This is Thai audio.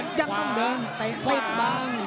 ยังต้องเดินแต่เตรียมบ้าง